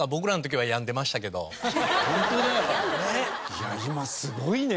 いや今すごいね！